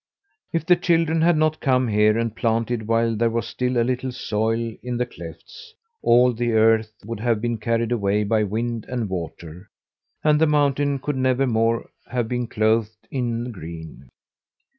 If the children had not come here and planted while there was still a little soil in the clefts, all the earth would have been carried away by wind and water, and the mountain could never more have been clothed in green.